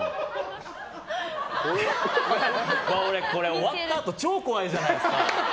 俺、これ終わったあと超怖いじゃないですか。